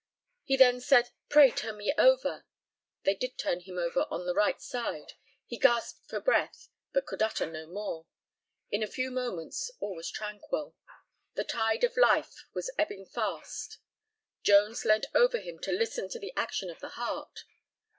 He then said, "Pray, turn me over." They did turn him over on the right side. He gasped for breath, but could utter no more. In a few moments all was tranquil the tide of life was ebbing fast. Jones leant over him to listen to the action of the heart.